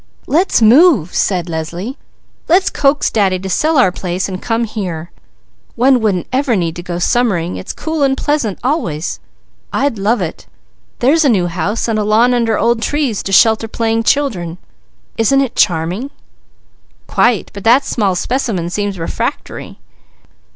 "Let's move," said Leslie. "Let's coax Daddy to sell our place and come here. One wouldn't ever need go summering, it's cool and pleasant always. I'd love it! There's a new house and a lawn under old trees, to shelter playing children; isn't it charming?" "Quite! But that small specimen seems refractory."